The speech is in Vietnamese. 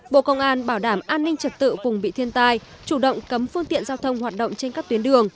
bộ công an bảo đảm an ninh trật tự vùng bị thiên tai chủ động cấm phương tiện giao thông hoạt động trên các tuyến đường